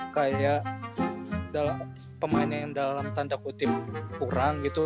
kayak pemain yang dalam tanda kutip kurang gitu